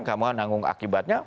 kamu yang menanggung akibatnya